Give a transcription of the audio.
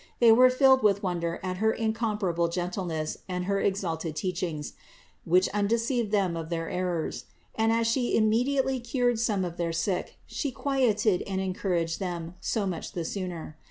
They were filled with wonder at her incomparable gentleness and her exalted teachings, which undeceived them of their errors ; and as She imme diately cured some of their sick, She quieted and en couraged them so much the sooner.